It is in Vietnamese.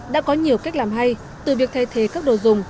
đã có nhiều cách làm hay từ việc thay thế các đồ dùng